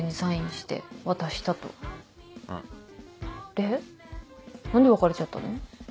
で何で別れちゃったの？